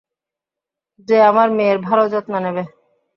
যে আমার মেয়ের ভাল যত্ন নেবে।